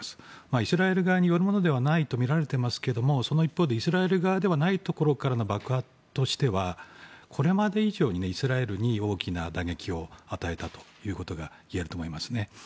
イスラエル側によるものではないとみられていますけど一方でイスラエル側ではないところからでの爆破としてはこれまで以上にイスラエルに大きな打撃を与えたということがいえると思いますね。